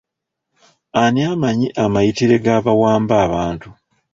Ani amanyi amayitire g'abawamba abantu?